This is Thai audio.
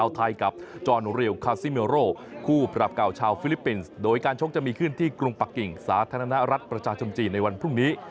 ต้องจะมีขึ้นที่กรุงปักกิ่งสาธารณรัฐประชาชมจีนในวันพรุ่งนี้